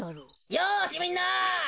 よしみんな！